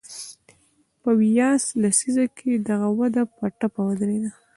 په ویاس لسیزه کې دغه وده په ټپه ودرېده.